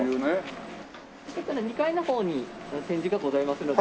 ２階の方に展示がございますので。